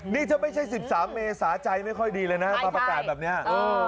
นี่ถ้าไม่ใช่๑๓เมษาใจไม่ค่อยดีเลยนะมาประกาศแบบนี้